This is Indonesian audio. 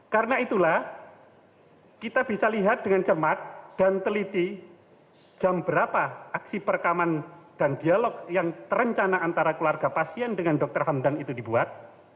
karena itulah kita bisa lihat dengan cermat dan teliti jam berapa aksi perekaman dan dialog yang terencana antara keluarga pasien dengan dokter hamdan itu dibuat